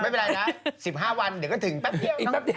๑๕วันเดี๋ยวก็ถึงแป๊บเดียว